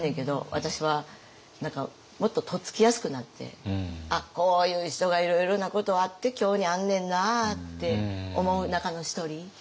私は何かもっととっつきやすくなってあっこういう人がいろいろなことあって今日にあんねんなあって思う中の一人。